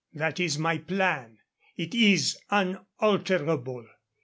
That is my plan. It is unalterable.